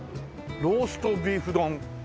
「ローストビーフ丼」